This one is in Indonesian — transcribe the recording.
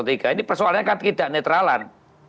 ini persoalannya kan tidak netralan